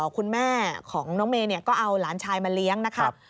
คุณแม่ของน้องเมย์ก็เอาหลานชายมาเลี้ยงนะครับ